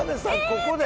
ここで？